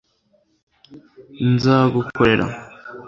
nzagukorera